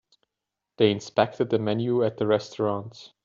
They inspected the menu at the restaurant.